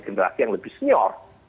generasi yang lebih senior